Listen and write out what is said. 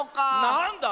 なんだ。